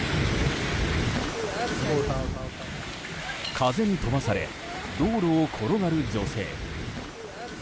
風に飛ばされ道路を転がる女性。